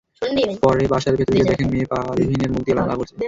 পরে বাসার ভেতর গিয়ে দেখেন, মেয়ে পারভীনের মুখ দিয়ে লালা পড়ছে।